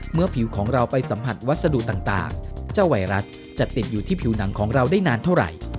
ผิวของเราไปสัมผัสวัสดุต่างเจ้าไวรัสจะติดอยู่ที่ผิวหนังของเราได้นานเท่าไหร่